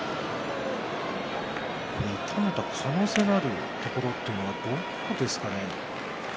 痛めた可能性があるところはどこですかね。